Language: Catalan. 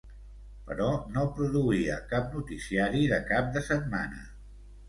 Però no produïa cap noticiari de cap de setmana.